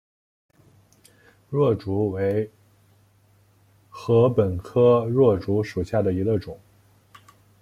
箬竹为禾本科箬竹属下的一个种。